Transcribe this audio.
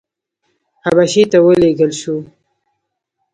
حبشې ته ولېږل شو.